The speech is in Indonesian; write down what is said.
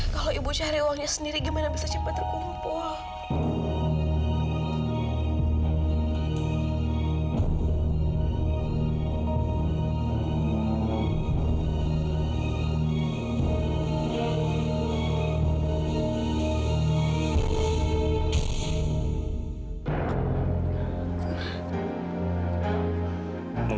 kalo ibu cari uangnya sendiri gimana bisa cepet terkumpul